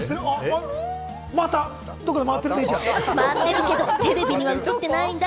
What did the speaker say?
回っているけれども、テレビには映っていないんだ。